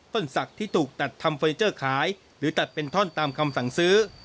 ศักดิ์ที่ถูกตัดทำเฟอร์นิเจอร์ขายหรือตัดเป็นท่อนตามคำสั่งซื้อ